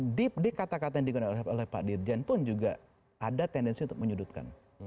nah di kata kata yang digunakan oleh pak dirjen pun juga ada tendensi untuk menyudutkan